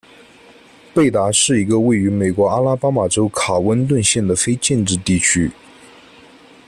贝达是一个位于美国阿拉巴马州卡温顿县的非建制地区。